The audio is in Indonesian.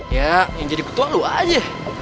ya yang jadi ketua lo aja